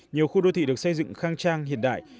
nhiều khu đô thị được xây dựng khang trang hiện đại